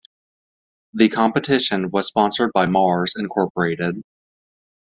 The competition was sponsored by Mars, Incorporated.